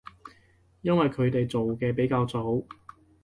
因為佢哋做嘅比較早